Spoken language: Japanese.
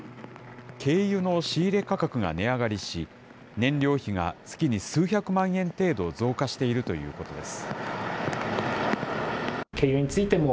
軽油の仕入れ価格が値上がりし、燃料費が月に数百万円程度増加しているということです。